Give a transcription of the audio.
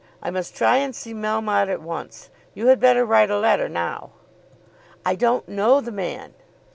I must try and see Melmotte at once. You had better write a letter now." "I don't know the man."